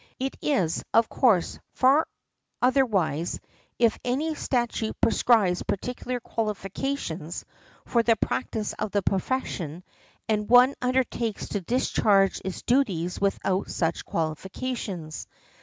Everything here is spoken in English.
It is, of course, far otherwise if any statute prescribes particular qualifications for the practice of the profession and one undertakes to discharge its duties without such qualifications.